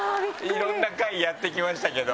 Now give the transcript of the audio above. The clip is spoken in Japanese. いろんな回やってきましたけど。